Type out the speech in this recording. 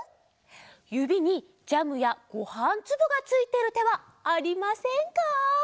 ゆびにジャムやごはんつぶがついてるてはありませんか？